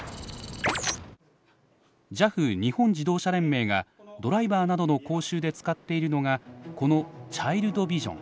ＪＡＦ日本自動車連盟がドライバーなどの講習で使っているのがこのチャイルドビジョン。